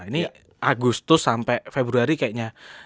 ini agustus sampai februari kayaknya